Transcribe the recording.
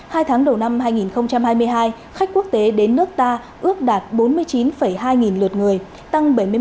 hai tháng đầu năm hai nghìn hai mươi hai khách quốc tế đến nước ta ước đạt bốn mươi chín hai